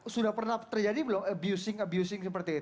sudah pernah terjadi belum abusing abusing seperti itu